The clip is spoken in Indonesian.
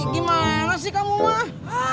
gimana sih kamu mah